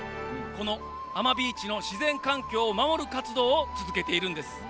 この阿真ビーチの自然環境を守る活動を続けているんです。